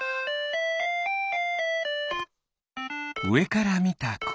うえからみたこれ。